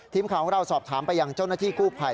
ทีมข่าวของเราสอบถามไปยังเจ้าหน้าที่กู้ภัย